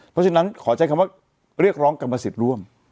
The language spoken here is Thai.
เพราะฉะนั้นขอใช้คำว่าเรียกร้องกรรมสิทธิ์ร่วม